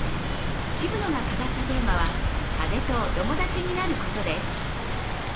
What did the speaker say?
渋野が語ったテーマは、風とお友達になることです。